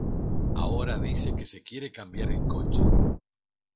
Ahora dice que se quiere cambiar el coche.